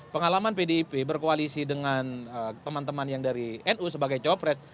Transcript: pengalaman pdip berkoalisi dengan teman teman yang dari nu sebagai copres